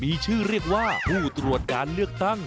มีชื่อเรียกว่าผู้ตรวจการเลือกตั้ง